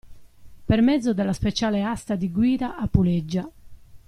Per mezzo della speciale asta di guida a puleggia.